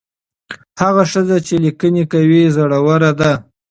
هغه ښځه چې لیکنې کوي زړوره ده.